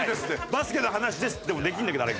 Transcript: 「バスケの話です」でもできるんだけどあれ。